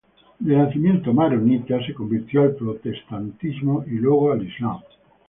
De nacimiento maronita, se convirtió al protestantismo y luego al Islam.